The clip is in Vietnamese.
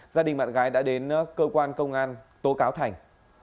gia đình bạn gái đã đến cơ quan công an tố cáo thành